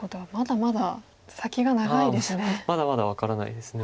まだまだ分からないです。